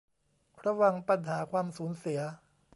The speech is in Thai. ระวังปัญหาความสูญเสีย